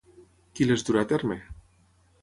Qui les durà a terme?